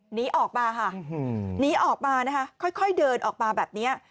หนีออกมาค่ะหนีออกมานะคะค่อยเดินออกมาแบบนี้